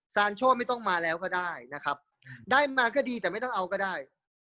โชไม่ต้องมาแล้วก็ได้นะครับได้มาก็ดีแต่ไม่ต้องเอาก็ได้